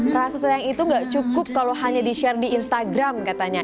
rasa sayang itu gak cukup kalau hanya di share di instagram katanya